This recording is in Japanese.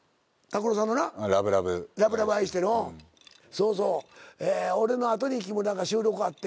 そうそう俺の後に木村が収録あって。